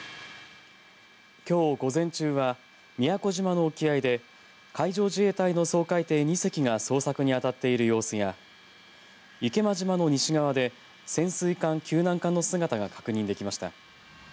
きょう午前中は宮古島の沖合で海上自衛隊の掃海艇２隻が捜索に当たっている様子や池間島の西側で潜水艦、救難艦の姿が確認できました。